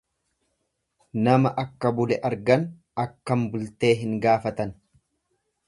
Nama akka bule argan attam bultee hin gaafatan.